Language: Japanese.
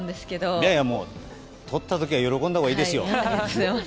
いやいや、とった時は喜んだほうがいいですよ。